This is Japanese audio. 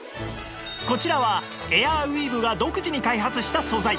こちらはエアウィーヴが独自に開発した素材